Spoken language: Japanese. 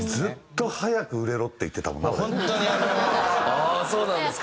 ああそうなんですか！